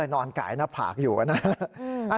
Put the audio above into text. นอนไก่หน้าผากอยู่นะ